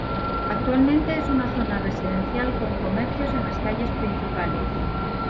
Actualmente es una zona residencial con comercios en las calles principales.